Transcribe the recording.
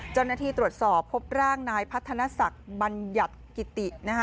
เจ้าหน้าที่ตรวจสอบพบร่างนายพัฒนศักดิ์บัญญัติกิตินะคะ